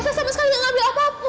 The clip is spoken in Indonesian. saya sama sekali tidak ambil apapun